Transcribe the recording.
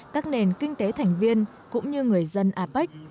các nền kinh tế thành viên cũng như người dân apec